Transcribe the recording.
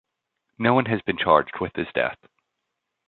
No one has been charged with his death.